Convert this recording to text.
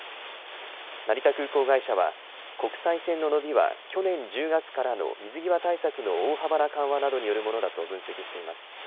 成田空港会社は、国際線の伸びは去年１０月からの水際対策の大幅な緩和などによるものだと分析しています。